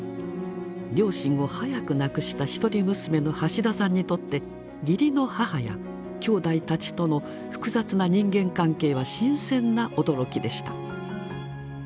両親を早く亡くした一人娘の橋田さんにとって義理の母やきょうだいたちとの複雑な人間関係は新鮮な驚きでした。